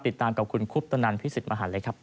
ติดตามกับคุณคุปตนันพิสิทธิมหันเลยครับ